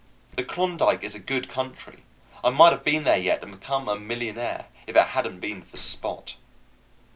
The Klondike is a good country. I might have been there yet, and become a millionaire, if it hadn't been for Spot.